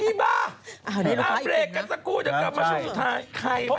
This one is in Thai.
อีบ๊ะไม่งานเปลี่ยนกันสักครู่จะกลับมาช่วงสุดท้ายใครหวัดอี๊บไป